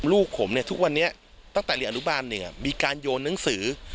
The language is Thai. ลูกผมเนี่ยทุกวันนี้ตั้งแต่เรียนอนุบาลมีการโยนหนังสือ